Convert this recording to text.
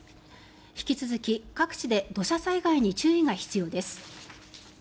引き続き、各地で土砂災害に注意が必要です。